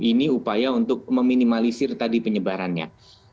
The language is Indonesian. ini upaya untuk meminimalisir tadi penyebarannya